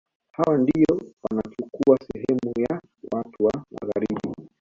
Hawa ndio wanachukua sehemu ya watu wa Magharibi